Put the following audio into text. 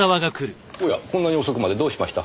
おやこんなに遅くまでどうしました？